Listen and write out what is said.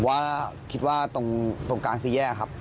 ว่าคิดว่าตรงกลางสี่แยกครับ